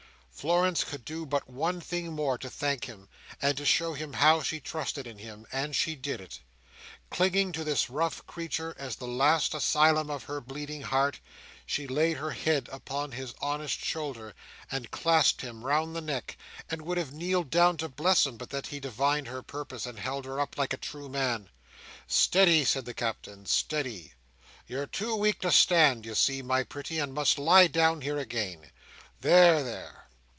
Florence could do but one thing more to thank him, and to show him how she trusted in him; and she did it. Clinging to this rough creature as the last asylum of her bleeding heart, she laid her head upon his honest shoulder, and clasped him round his neck, and would have kneeled down to bless him, but that he divined her purpose, and held her up like a true man. "Steady!" said the Captain. "Steady! You're too weak to stand, you see, my pretty, and must lie down here again. There, there!"